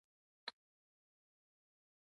چې د دېولۍ خورشېد علي امير صېب پرون وفات شۀ